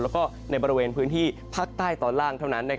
แล้วก็ในบริเวณพื้นที่ภาคใต้ตอนล่างเท่านั้น